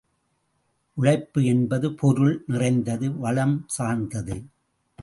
உழைப்பு என்பது பொருள் நிறைந்தது வளம் சார்ந்தது.